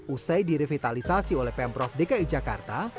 usai direvitalisasi oleh pemprov dki jakarta